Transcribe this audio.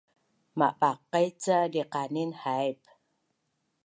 mabaqaic ca diqanin haip